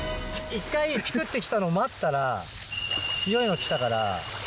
一回ピクってきたのを待ったら強いのきたから。